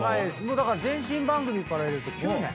だから前身番組から入れると。